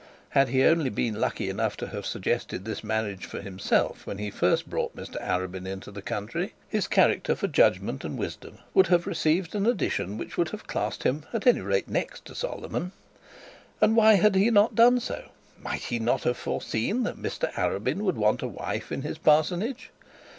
Had he only been lucky enough to have suggested the marriage himself when he first brought Mr Arabin into the country, his character for judgment and wisdom would have received an addition which would have classed him at any rate next to Solomon. And why had he not done so? Might he not have foreseen that Mr Arabin would want a wife in the parsonage?